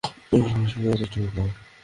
ওর ফুসফুসে বাতাস ঢোকাও।